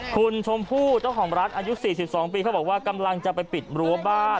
คุณชมพู่เจ้าของร้านอายุ๔๒ปีเขาบอกว่ากำลังจะไปปิดรั้วบ้าน